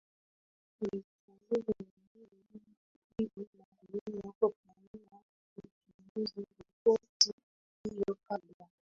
yo itazuru eneo hilo na kuweza kufanyia uchunguzi ripoti hiyo kabla